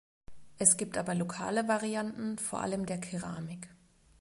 Es gibt aber lokale Varianten vor allem der Keramik.